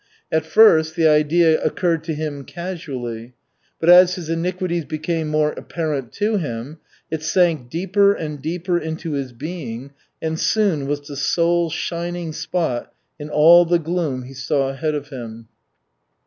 At first, the idea occurred to him casually. But as his iniquities became more apparent to him, it sank deeper and deeper into his being and soon was the sole shining spot in all the gloom he saw ahead of him.